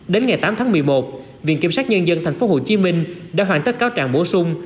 đến ngày tám tháng một mươi một viện kiểm sát nhân dân tp hcm đã hoàn tất cáo trạng bổ sung